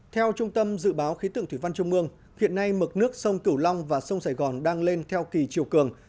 theo trung tâm dự báo khí tượng thủy văn trung mương hiện nay mực nước sông cửu long và sông sài gòn đang lên theo kỳ chiều cường